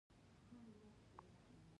تا به ويل چې دا غږ يوازې د مينې غږ نه دی.